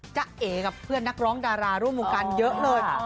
เอ๋กับเพื่อนนักร้องดาราร่วมวงการเยอะเลย